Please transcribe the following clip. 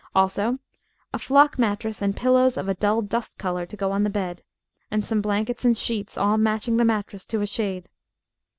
Also a flock mattress and pillows of a dull dust color to go on the bed, and some blankets and sheets, all matching the mattress to a shade.